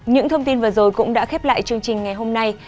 những thông tin vừa rồi cũng đã khép lại chương trình ngày hôm nay